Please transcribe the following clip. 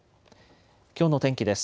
きょうの天気です。